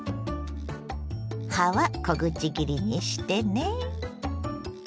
葉は小口切りにしてね。